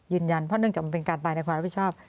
ยืนยันเพราะเนื่องจากมันเป็นการตายในความรับผิดชอบ